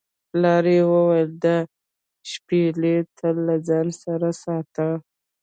پلار یې وویل دا شپیلۍ تل له ځان سره ساته.